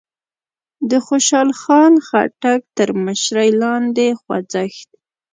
د خوشال خان خټک تر مشرۍ لاندې خوځښت